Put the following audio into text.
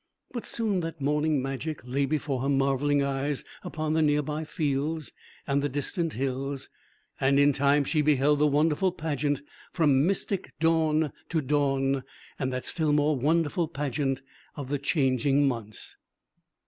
But soon that morning magic lay before her marveling eyes upon the near by fields and the distant hills, and in time she beheld the wonderful pageant from mystic dawn to dawn, and that still more wonderful pageant of the changing months.